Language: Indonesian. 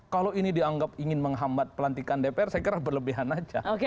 kalau ini dianggap ingin menghambat pelantikan dpr saya kira berlebihan aja